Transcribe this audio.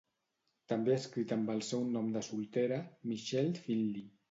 També ha escrit amb el seu nom de soltera, Michelle Finley.